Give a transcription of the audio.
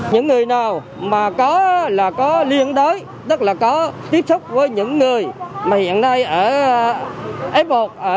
những người nào mà có là có liên đối tức là có tiếp xúc với những người mà hiện nay ở f một